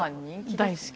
大好き。